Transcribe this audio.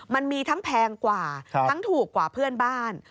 มันมีทั้งแพงกว่าทั้งถูกกว่าเพื่อนบ้าน